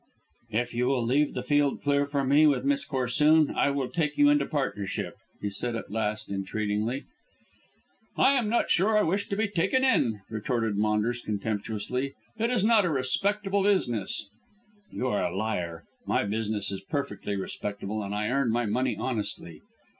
"If you will leave the field clear for me with Miss Corsoon I will take you into partnership," he said at last, entreatingly. "I am not sure if I wish to be taken in," retorted Maunders contemptuously; "it is not a respectable business." "You are a liar! My business is perfectly respectable, and I earn my money honestly."